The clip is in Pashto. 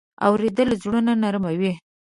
اورېدل زړونه نرمه وي.